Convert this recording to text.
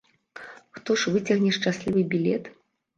Хто ж выцягне шчаслівы білет?